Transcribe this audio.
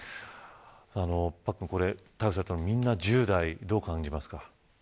パックン、逮捕されたのはみんな１０代、どう感じますか。